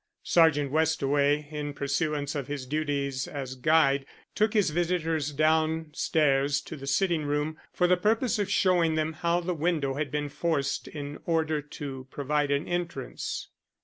Sergeant Westaway, in pursuance of his duties as guide, took his visitors downstairs to the sitting room for the purpose of showing them how the window had been forced in order to provide an entrance.